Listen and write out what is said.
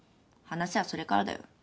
話はそれからだよ。